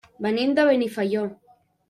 Venim de Benifaió.